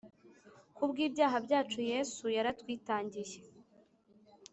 Kubw’ibyaha byacu Yesu yaratwitangiye